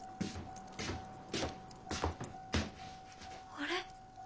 あれ？